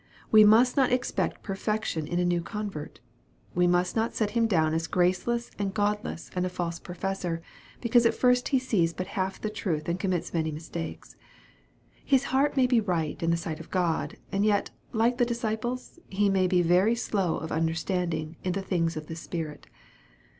We must not expect perfection in a new convert. We must not set him down as graceless and godless and a false professor, because at first he sees but half the truth and commits many mistakes. His heart may be right in the sight of God, and yet, like the disciples, he may be very slow of understanding in the things of the Spirit.